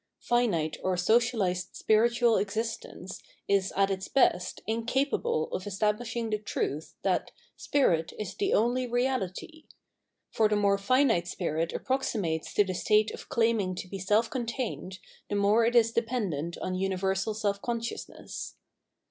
Finite or socialised spiritual existence is at its best incapable of establishing the truth that "Spirit is the only reality'' ; for the more finite spirit approximates to the state of claiming to be self contained the more is it dependent on universal self consciousness.